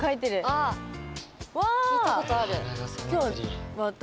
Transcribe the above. ああ聞いたことある。